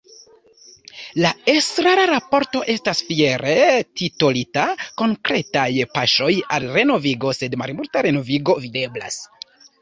La Estrara Raporto estas fiere titolita “Konkretaj paŝoj al renovigo”, sed malmulta renovigo videblas.